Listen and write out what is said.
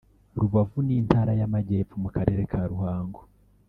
Rubavu n’intara y’amajyepfo mu karere ka Ruhango